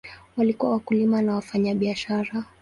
Walikuwa wakulima na wafanyabiashara.